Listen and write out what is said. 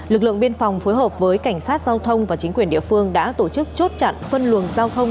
lực lượng biên phòng phối hợp với cảnh sát giao thông và chính quyền địa phương đã tổ chức chốt chặn phân luồng giao thông